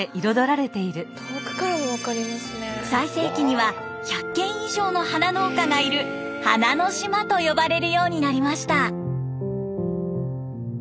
最盛期には１００軒以上の花農家がいる「花の島」と呼ばれるようになりました。